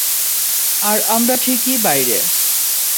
আর আমরা ঠিকই বাইরে।